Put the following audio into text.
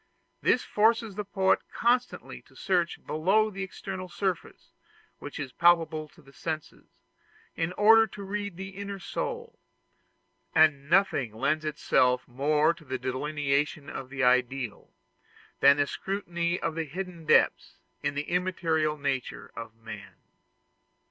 This forces the poet constantly to search below the external surface which is palpable to the senses, in order to read the inner soul: and nothing lends itself more to the delineation of the ideal than the scrutiny of the hidden depths in the immaterial nature of man.